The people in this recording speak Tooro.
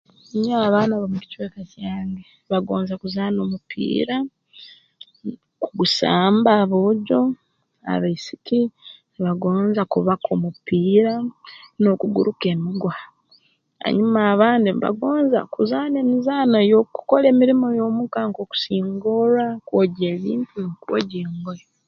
Nyowe abaana b'omu kicweka kyange bagonza kuzaana omupiira kugusamba aboojo abaisiki bagonza kubaka omupiira n'okuguruka emiguha hanyuma abandi mbagonza kuzaana emizaano ey'okukora emirimo y'omuka nk'okusingorra kwogya ebintu rundi kwogya engoye